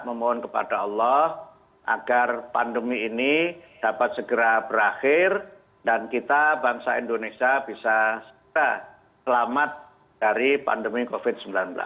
memohon kepada allah agar pandemi ini dapat segera berakhir dan kita bangsa indonesia bisa segera selamat dari pandemi covid sembilan belas